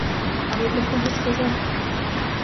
Але для кого сказав?